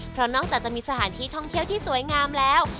เพราะนอกจากจะมีสถานที่ท่องเที่ยวที่สวยงามแล้ว